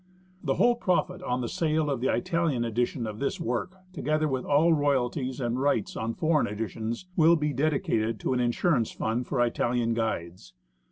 The whole profit on the sale of the Italian edition of this work, together with all royalties and rights on foreign editions, will be dedicated to an Insurance Fund for Italian Guides.